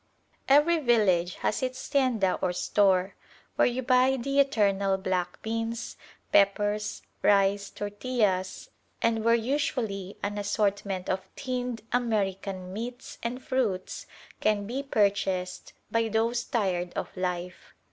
Every village has its tienda or store where you buy the eternal black beans, peppers, rice, tortillas, and where usually an assortment of tinned American meats and fruits can be purchased by those tired of life.